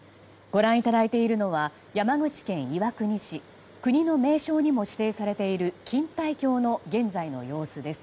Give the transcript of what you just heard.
ご覧いただいているのは山口県岩国市国の名勝にも指定されている錦帯橋の現在の様子です。